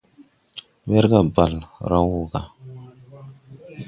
Werga bale rag wɔ ga.